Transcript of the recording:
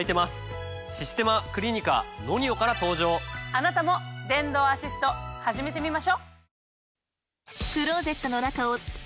あなたも電動アシスト始めてみましょ！